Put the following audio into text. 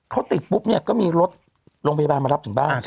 เขาติดปุ๊บเนี่ยก็มีรถโรงพยาบาลมารับถึงบ้าน